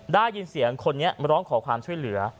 ได้ยินเสียงคนนี้ร้องขอความช่วยเหลือ